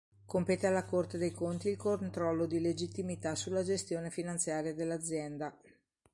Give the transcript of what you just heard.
Compete alla Corte dei conti il controllo di legittimità sulla gestione finanziaria dell'azienda.